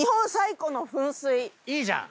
いいじゃん！